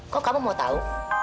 kok kamu mau tahu